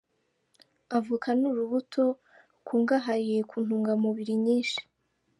Avoka ni urubuto rukungahaye ku ntungamubiri nyinshi.